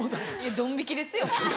ドン引きですよ。